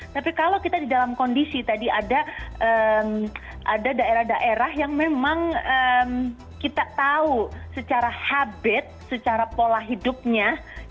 tapi kalau kita di dalam kondisi tadi ada daerah daerah yang memang kita tahu secara habit secara pola hidupnya